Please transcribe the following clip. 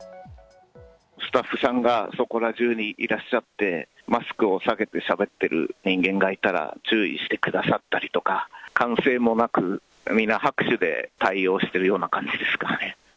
スタッフさんがそこら中にいらっしゃって、マスクを下げてしゃべってる人間がいたら注意してくださったりとか、歓声もなく、みんな拍手で対応してるような感じですかね。